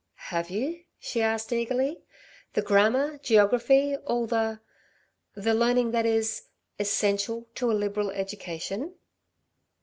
'" "Have you?" she asked eagerly. "The grammar, geography, all the the learning that is 'essential to a liberal education'?"